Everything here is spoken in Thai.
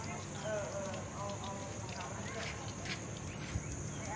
สุดท้ายสุดท้ายสุดท้าย